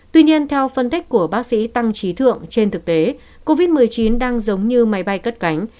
tuy nhiên theo phân tích của bác sĩ tăng trí thượng trên thực tế covid một mươi chín đang giống như máy bay cất cánh